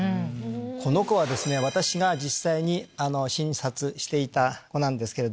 この子は私が実際に診察していた子です。